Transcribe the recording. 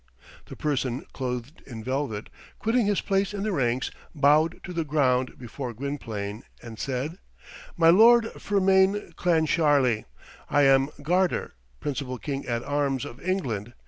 The person clothed in velvet, quitting his place in the ranks, bowed to the ground before Gwynplaine, and said, "My Lord Fermain Clancharlie, I am Garter, Principal King at Arms of England.